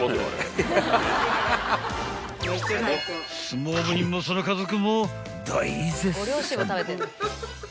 ［相撲部員もその家族も大絶賛！］